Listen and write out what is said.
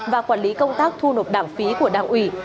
và quản lý công tác thu nộp đảng phí của đảng ủy